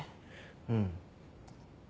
うん。